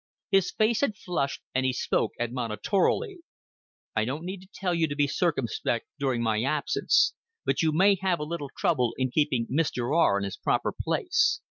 His face had flushed, and he spoke admonitorily. "I don't need to tell you to be circumspect during my absence but you may have a little trouble in keeping Mr. R. in his proper place.